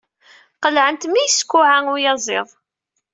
Qelɛent mi yeskuɛɛa uyaziḍ.